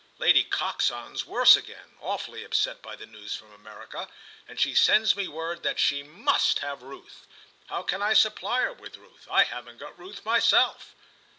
Lady Coxon's worse again, awfully upset by the news from America, and she sends me word that she must have Ruth. How can I supply her with Ruth? I haven't got Ruth myself!"